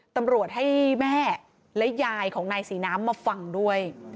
ตำรวจให้แม่และยายของนายศรีน้ำมาฟังด้วย